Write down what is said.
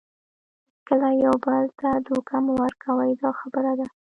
هیڅکله یو بل ته دوکه مه ورکوئ دا خبره ده.